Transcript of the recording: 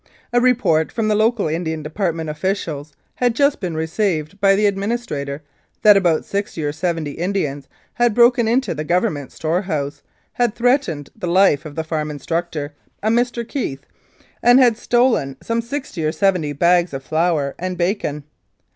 A report from the local Indian Department officials had just been received by the administrator that about sixty or seventy Indians had broken into the Government storehouse, had threat ened the life of the farm instructor, a Mr. Keith, and had stolen some sixty or seventy bags of flour and bacon.